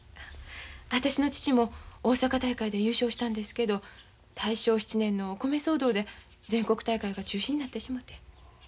私の父も大阪大会で優勝したんですけど大正７年の米騒動で全国大会が中止になってしもて。